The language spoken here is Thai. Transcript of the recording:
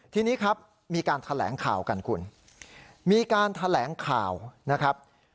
ทีนี้ครับมีการแถลงข่าวกันคุณมีการแถลงข่าวนะครับ